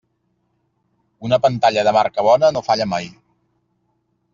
Una pantalla de marca bona no falla mai.